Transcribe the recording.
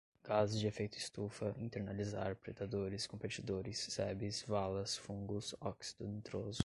gases de efeito estufa, internalizar, predadores, competidores, sebes, valas, fungos, óxido nitroso